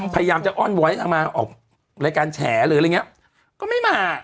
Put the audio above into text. พยายามจะอ้อนวอยนางมาออกรายการแฉหรืออะไรอย่างเงี้ยก็ไม่มา